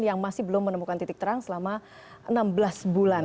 yang masih belum menemukan titik terang selama enam belas bulan